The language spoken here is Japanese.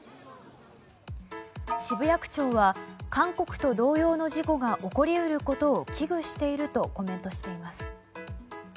渋谷区長は韓国と同様の事故が起こり得ることを危惧しているとコメントしています。